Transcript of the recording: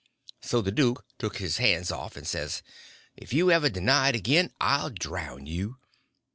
So the duke took his hands off and says: "If you ever deny it again I'll drown you.